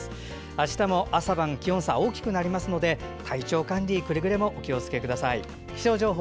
あしたも、朝晩と気温差が大きくなりますので体調管理にくれぐれもお気をつけください。